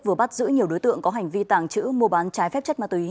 vừa bắt giữ nhiều đối tượng có hành vi tàng trữ mua bán trái phép chất ma túy